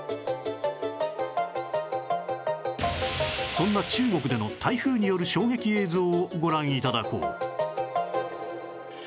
そんな中国での台風による衝撃映像をご覧頂こう